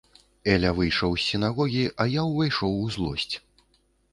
Эля выйшаў з сінагогі, а я ўвайшоў у злосць.